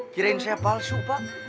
kirain saya palsu pak